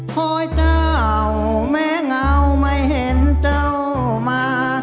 หอยเจ้าแม้เงาไม่เห็นเจ้ามา